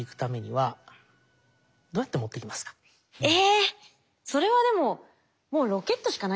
え。